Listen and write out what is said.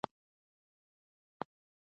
افغانان پر دوی غالبېږي.